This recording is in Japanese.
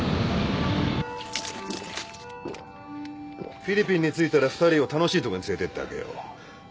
フィリピンに着いたら２人を楽しいとこに連れてってあげよう。